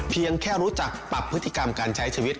เพียงแค่รู้จักปรับพฤติกรรมการใช้ชีวิต